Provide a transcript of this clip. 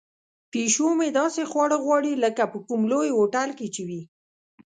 پیشو مې داسې خواړه غواړي لکه په کوم لوی هوټل کې چې وي.